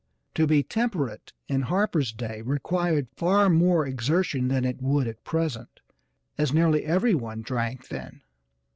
To be temperate in Harper's day required far more exertion than it would at present, as nearly everyone drank then.